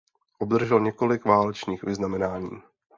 Obdržel několik válečných vyznamenání.